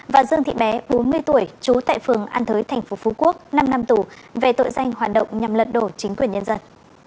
và dương thị bé bốn mươi tuổi trú tại phường an thới tp phú quốc năm năm tù về tội danh hoạt động nhằm lật đổ chính quyền nhân dân